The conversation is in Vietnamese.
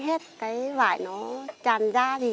theo tỉ lệ riêng của mỗi người nhuộm